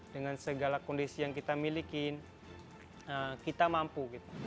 dengan segala kondisi yang kita miliki kita mampu